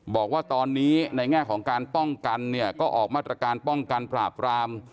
บอกว่าตอนนี้ในแง่ของการป้องกันเนี่ยก็ออกมาตรการป้องกันปราบราม